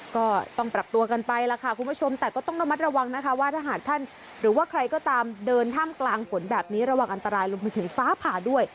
ก็ต้องปรับตัวกันไปแล้วค่ะคุณผู้ชมแต่ก็ต้องระมัดระวังนะคะว่าถ้าหากท่านหรือว่าใครก็ตามเดินท่ามกลางฝนแบบนี้ระวังอันตรายรวมไปถึงฟ้าผ่าด้วย